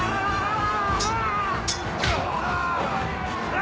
あ！